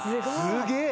すげえ！